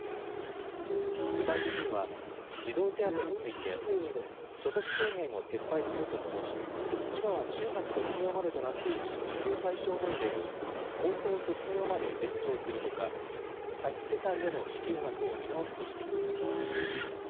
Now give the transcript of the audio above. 具体的には、児童手当について、所得制限を撤廃するとともに、今は中学卒業までとなっている支給対象年齢を、高校卒業まで延長するほか、多子世帯への支給額を見直すとしています。